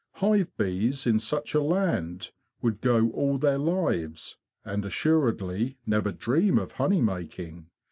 Hive bees in such a land would go all their lives, and assuredly never dream of honey making.